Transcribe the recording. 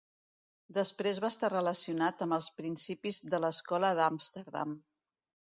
Després va estar relacionat amb els principis de l'Escola d'Amsterdam.